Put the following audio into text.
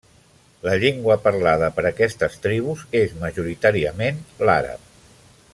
La llengua parlada per aquestes tribus és majoritàriament l’àrab.